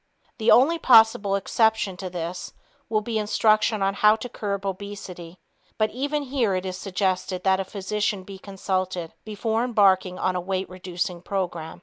The only possible exception to this will be instructions on how to curb obesity, but even here it is suggested that a physician be consulted before embarking on a weight reducing program.